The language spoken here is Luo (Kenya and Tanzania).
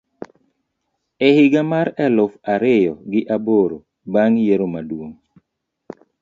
e higa mar eluf ariyo gi aboro bang ' yiero maduong '.